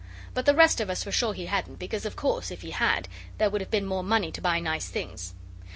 But the rest of us were sure he hadn't, because, of course, if he had, there would have been more money to buy nice things.